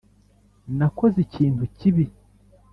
nakoze ikintu kibi?